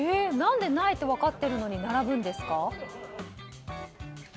何でないと分かっているのに並ぶんですか？